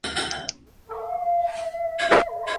Este medley está representado en el álbum "Seconds Out".